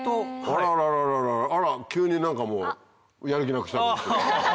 あらららあら急に何かもうやる気なくしてる。